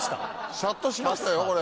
シャっとしましたよこれ。